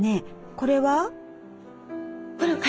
これは？